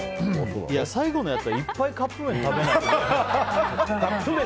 最後のやつはいっぱいカップ麺食べないと。